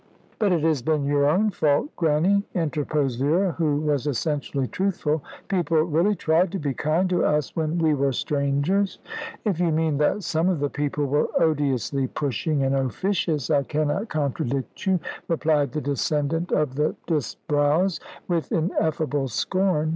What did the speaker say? "But it has been your own fault, Grannie!" interposed Vera, who was essentially truthful. "People really tried to be kind to us when we were strangers." "If you mean that some of the people were odiously pushing and officious, I cannot contradict you!" replied the descendant of the Disbrowes, with ineffable scorn.